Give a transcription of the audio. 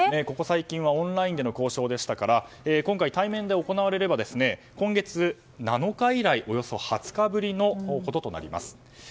ここ最近はオンラインでの交渉でしたから今回、対面で行われれば今月７日以来およそ２０日ぶりとなります。